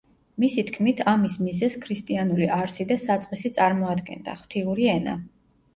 მისი თქმით ამის მიზეზს ქრისტიანული არსი და საწყისი წარმოადგენდა, ღვთიური ენა.